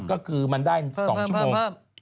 ก็คือมันได้๒ชั่วโมง